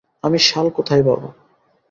আমি শাল কোথায় পাব?